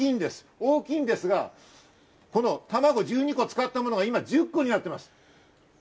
大きいんですが、たまごを１２個使ったものが今１０個になってます。